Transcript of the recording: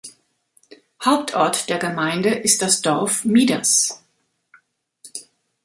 Hauptort der Gemeinde ist das Dorf "Mieders".